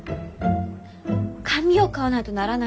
紙を買わないとならないんです。